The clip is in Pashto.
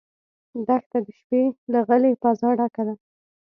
دښته د شپې له غلې فضا ډکه ده.